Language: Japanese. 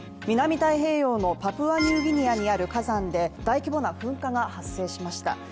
南太平洋のパプアニューギニアにある火山で大規模な噴火が発生しました。